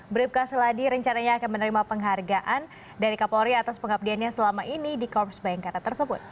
bribka seladi rencananya akan menerima penghargaan dari kapolri atas pengabdiannya selama ini di korps bayangkara tersebut